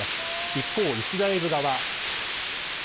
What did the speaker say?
一方、イスラエル側。